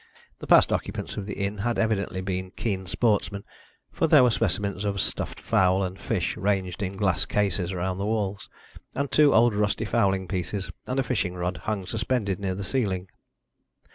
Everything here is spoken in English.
The past occupants of the inn had evidently been keen sportsmen, for there were specimens of stuffed fowl and fish ranged in glass cases around the walls, and two old rusty fowling pieces and a fishing rod hung suspended near the ceiling.